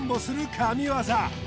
神業